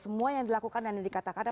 semua yang dilakukan dan yang dikatakan